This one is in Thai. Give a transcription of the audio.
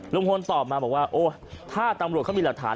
ลุงพลตอบมาบอกว่าโอ้ถ้าตำรวจเขามีหลักฐาน